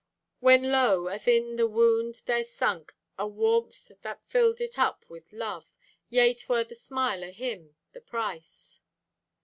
When lo, athin the wound there sunk A warmpth that filled it up with love. Yea, 'twere the smile o' Him, the price.